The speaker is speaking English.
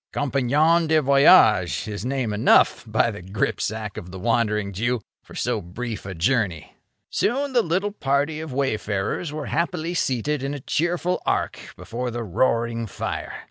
Compagnon de voyage is name enough, by the gripsack of the Wandering Jew! for so brief a journey. Soon the little party of wayfarers were happily seated in a cheerful arc before the roaring fire.